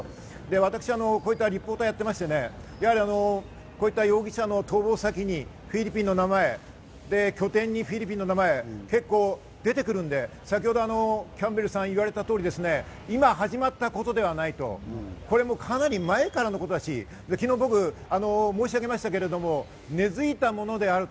私はこういったリポーターをやっていまして、容疑者の逃亡先にフィリピンの名前、拠点にフィリピンの名前が結構出てくるんで、キャンベルさん言われた通り、今始まったことではないと、これもかなり前からのことだし昨日、僕、申し上げましたけれども、根づいたものであると。